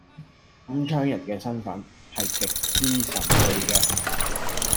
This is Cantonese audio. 金槍人嘅身份係極之神秘嘅